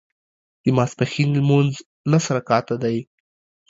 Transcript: د ماسپښين لمونځ لس رکعته دی